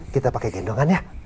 kita pakai gendongan ya